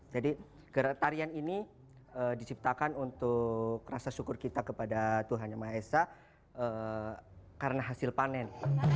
jadi gerakan tarian ini diciptakan untuk rasa syukur kita kepada tuhan yang maha esa karena hasil panen